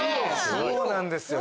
そうなんですよ。